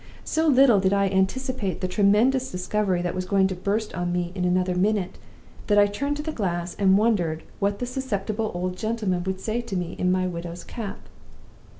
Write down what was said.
So little did I anticipate the tremendous discovery that was going to burst on me in another minute, that I turned to the glass, and wondered what the susceptible old gentleman would say to me in my widow's cap.